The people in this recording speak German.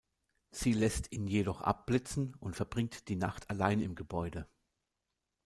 Sie lässt ihn jedoch abblitzen und verbringt die Nacht allein im Gebäude.